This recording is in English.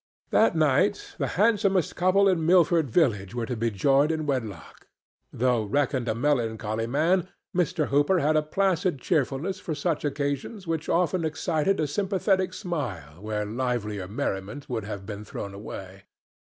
That night the handsomest couple in Milford village were to be joined in wedlock. Though reckoned a melancholy man, Mr. Hooper had a placid cheerfulness for such occasions which often excited a sympathetic smile where livelier merriment would have been thrown away.